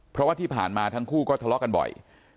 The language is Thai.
เพราะว่าที่ผ่านมาทั้งคู่ก็ทะเลาะกันบ่อย